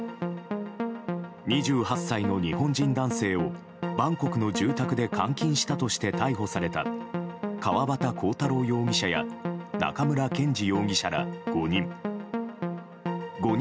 ２８歳の日本人男性をバンコクの住宅で監禁したとして逮捕された川端浩太郎容疑者や中村健二容疑者ら５人。